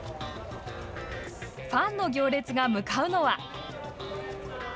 ファンの行列が向かうのは。